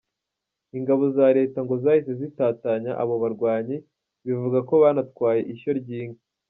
Ingabo za leta ngo zahise zitatanya abo barwanyi bivugwa ko banatwaye ishyo ry’inka.